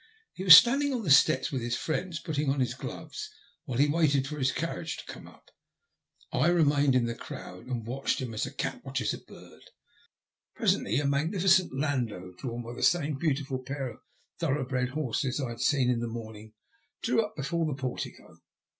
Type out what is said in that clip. He was standing on the steps, with his friends, putting on his gloves, while he waited for his carriage to come up. I remained in the crowd, and watched him as a cat watches a bird. Presently a magnificent landau, drawn by the same beautiful pair of thoroughbred horses I had seen in the morning, drew up before the portico.